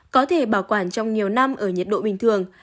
có thể bảo quản trong nhiều năm ở nhiệt độ bình thường